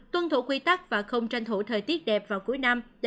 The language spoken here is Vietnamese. tuân thủ quy tắc và không tranh thủ thời tiết đẹp vào cuối năm